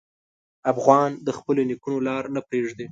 افغان د خپلو نیکونو لار نه پرېږدي.